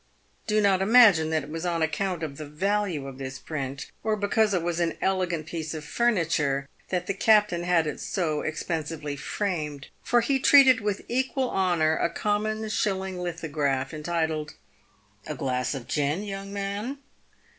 Do not imagine that it was on account of the value of this print, or because it was an elegant piece of furniture, that the captain had it so expensively framed, for he treated with equal honour a common shilling lithograph, entitled, " A Glass of Gin, young man